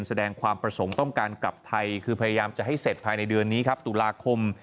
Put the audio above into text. แสดงความประสงค์ต้องการกลับไทยคือพยายามจะให้เสร็จภายในเดือนนี้ครับตุลาคม